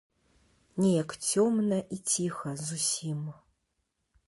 Неяк цёмна і ціха зусім.